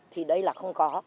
thì đây là không có